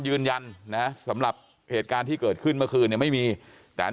ยืนยันนะสำหรับเหตุการณ์ที่เกิดขึ้นเมื่อคืนเนี่ยไม่มีแต่